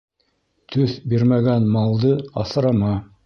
Төҫ бирмәгән малды аҫырама.